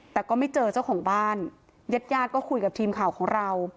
แต่ก็ไม่เจอเจ้าของบ้านญาติญาติก็คุยกับทีมข่าวของเรา